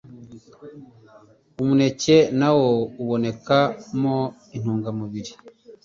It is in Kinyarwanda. Umuneke nawo uboneka mo intungamubiri